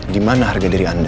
dimana harga diri anda